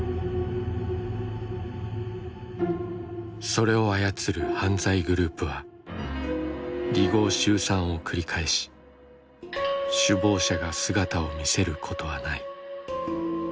それを操る犯罪グループは離合集散を繰り返し首謀者が姿を見せることはない。